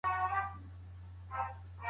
فکري پرمختګ د مادي پرمختګ په څېر اړين دی.